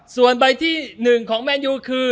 ส่วนใบที่หนึ่งของแมนโยคือ